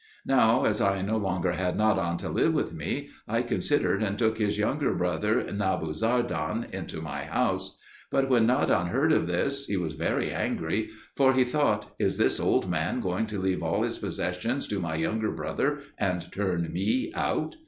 Now as I no longer had Nadan to live with me, I considered, and took his younger brother Nabu zardan into my house. But when Nadan heard of this, he was very angry, for he thought, "Is this old man going to leave all his possessions to my younger brother, and turn me out?"